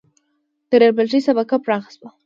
د ریل پټلۍ شبکه پراخه شوه.